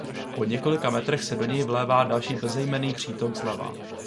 Po několika metrech se do něj vlévá další bezejmenný přítok zleva.